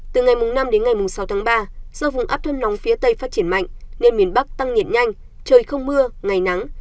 từ ngày năm đến ngày sáu tháng ba do vùng áp thâm nóng phía tây phát triển mạnh nên miền bắc tăng nhiệt nhanh trời không mưa ngày nắng